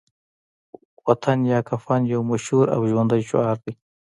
وطن یا کفن يو مشهور او ژوندی شعار دی